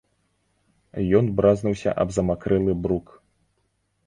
Ён бразнуўся аб замакрэлы брук.